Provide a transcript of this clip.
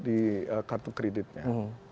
di kartu kreditnya